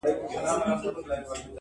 موسیقي- قمار- شراب هر څه یې بند کړل-